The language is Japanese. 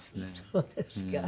そうですか。